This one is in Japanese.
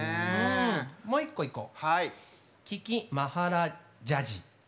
もう一個いこう。